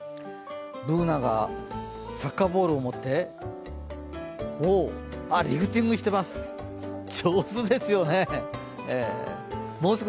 Ｂｏｏｎａがサッカーボールを持ってリフティングしてます。